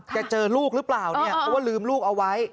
เจอลูกหรือเปล่าเนี่ยเพราะว่าลืมลูกเอาไว้